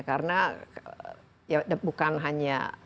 karena ya bukan hanya